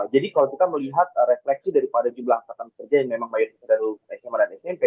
jadi kalau kita melihat refleksi daripada jumlah angkatan kerja yang memang mayoritas dari lulusan smp dan sma